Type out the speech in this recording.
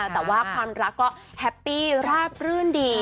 แต่ว่าความรักก็แฮปปี้ราบรื่นดี